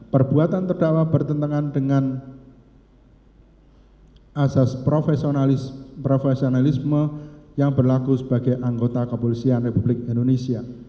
perbuatan terdakwa bertentangan dengan asas profesionalisme yang berlaku sebagai anggota kepolisian republik indonesia